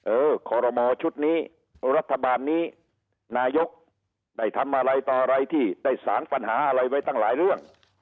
คอรมอชุดนี้รัฐบาลนี้นายกได้ทำอะไรต่ออะไรที่ได้สางปัญหาอะไรไว้ตั้งหลายเรื่อง